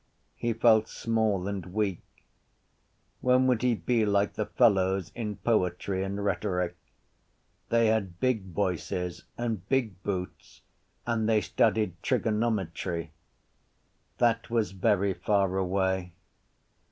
He felt small and weak. When would he be like the fellows in poetry and rhetoric? They had big voices and big boots and they studied trigonometry. That was very far away.